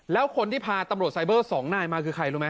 แล้วคนที่พาตำรวจไซเบอร์๒นายมาคือใครรู้ไหม